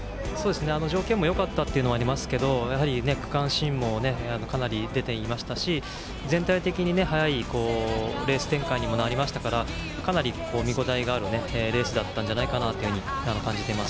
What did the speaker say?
条件もよかったというのはありますけどやはり区間新もかなり出ていましたし全体的に速いレース展開にもなりましたからかなり見応えがあるレースだったと感じています。